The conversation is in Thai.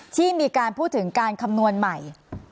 ที่มีการพูดถึงการคำนวณใหม่